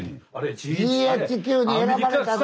ＧＨＱに選ばれた。